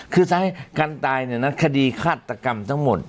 คือสาเหตุการตายเนี่ยนะคดีฆาตกรรมทั้งหมด